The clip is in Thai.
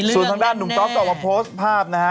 ส่วนทางด้านหนุ่มก๊อฟก็ออกมาโพสต์ภาพนะฮะ